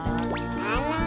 あら。